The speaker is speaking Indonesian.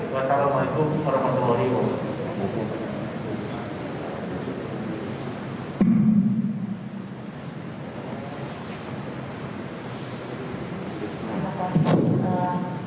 wassalamualaikum warahmatullahi wabarakatuh